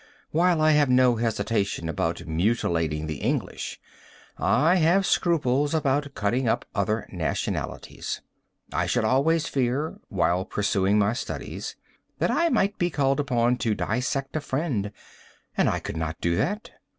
While I have no hesitation about mutilating the English, I have scruples about cutting up other nationalities. I should always fear, while pursuing my studies, that I might be called upon to dissect a friend, and I could not do that.